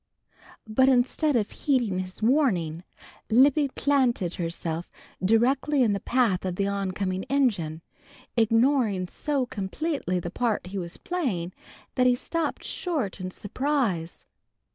But instead of heeding his warning, Libby planted herself directly in the path of the oncoming engine, ignoring so completely the part he was playing that he stopped short in surprise.